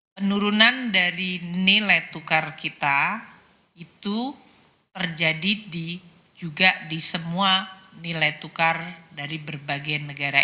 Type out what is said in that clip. penurunan dari nilai tukar kita itu terjadi juga di semua nilai tukar dari berbagai negara